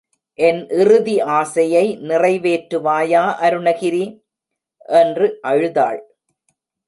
என் இறுதி ஆசையை நிறை வேற்றுவாயா அருணகிரி? என்று அழுதாள்.